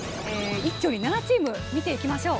一挙に７チーム見ていきましょう。